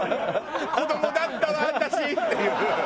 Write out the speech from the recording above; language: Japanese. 子どもだったわ私っていう。